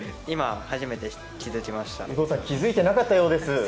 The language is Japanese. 有働さん気づいてなかったようです。